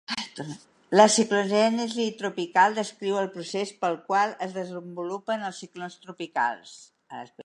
La ciclogènesi tropical descriu el procés pel qual es desenvolupen els ciclons tropicals.